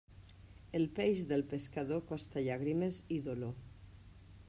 El peix del pescador costa llàgrimes i dolor.